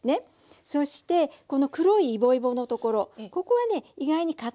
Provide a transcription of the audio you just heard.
そしてこの黒いイボイボのところここはね意外にかたいんです。